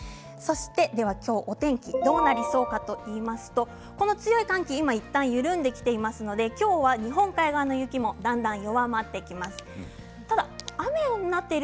今日はお天気、どうなりそうかといいますとこの強い寒気はいったん緩んできていますので今日は日本海側の雪もだんだん弱まってきます。